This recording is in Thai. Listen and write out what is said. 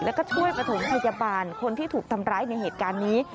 แล้วก็ช่วยประถมพยาบาลคนที่ถูกทำร้ายในเหตุการณ์นี้